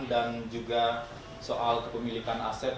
dan juga soal kepemilikan aset